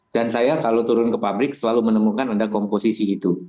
dan saya kalau turun ke pabrik selalu menemukan ada komposisi itu